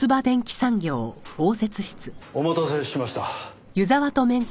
お待たせしました。